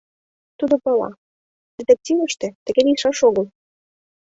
Тудо пала: детективыште тыге лийшаш огыл.